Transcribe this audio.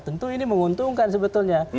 tentu ini menguntungkan sebetulnya